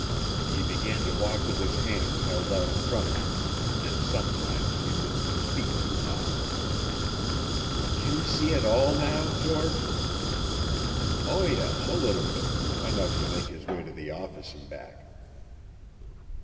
"He began to walk with his hands held out in front of him, and sometimes he lifted his feet too high." "Can he see at all now, George?" "Oh, yes, a little bit enough to make his way to the office and back."